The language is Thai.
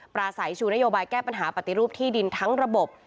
ปราศัยชูนโยบายแก้ปัญหาปฏิรูปที่ดินทั้งระบบ